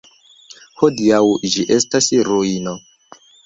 Hodiaŭ ĝi estas ruino.